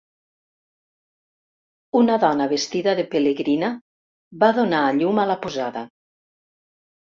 Una dona vestida de pelegrina, va donar a llum a la posada.